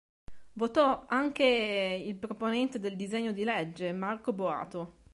Votò contro anche il proponente del disegno di legge, Marco Boato.